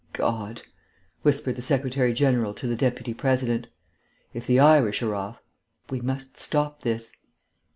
"My God," whispered the Secretary General to the Deputy President. "If the Irish are off.... We must stop this."